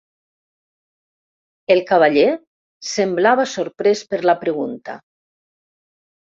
El cavaller semblava sorprès per la pregunta.